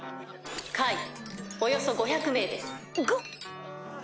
解およそ５００名です５！